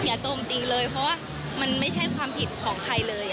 โจมตีเลยเพราะว่ามันไม่ใช่ความผิดของใครเลย